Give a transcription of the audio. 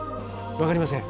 分かりません。